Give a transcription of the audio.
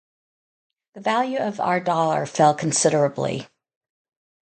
The value of our dollar fell considerably.